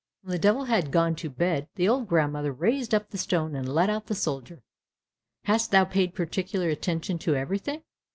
When the Devil had gone to bed, the old grandmother raised up the stone, and let out the soldier. "Hast thou paid particular attention to everything?"